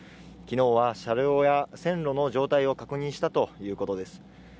昨日は車両や線路の状態を確認したということです